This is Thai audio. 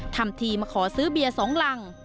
ทำทีมาขอซื้อเบียร์๒รัง